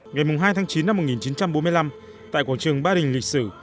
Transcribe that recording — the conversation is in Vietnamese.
ngày hai tháng chín năm một nghìn chín trăm bốn mươi năm tại quảng trường ba đình lịch sử